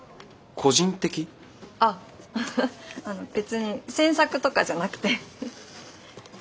あ別に詮索とかじゃなくて。